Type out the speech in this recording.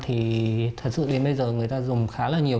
thì thật sự đến bây giờ người ta dùng khá là nhiều